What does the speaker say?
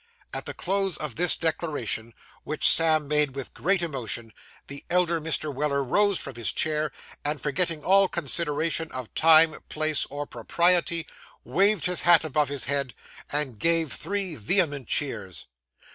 At the close of this declaration, which Sam made with great emotion, the elder Mr. Weller rose from his chair, and, forgetting all considerations of time, place, or propriety, waved his hat above his head, and gave three vehement cheers.